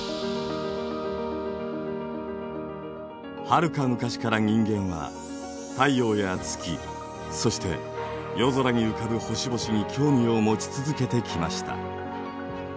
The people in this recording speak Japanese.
はるか昔から人間は太陽や月そして夜空に浮かぶ星々に興味を持ち続けてきました。